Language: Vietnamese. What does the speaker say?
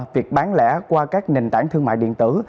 việc bán lẻ qua các nền tảng thương mại điện tử